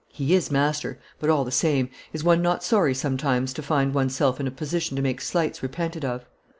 He is master, but all the same is one not sorry sometimes to find one's self in a position to make slights repented of."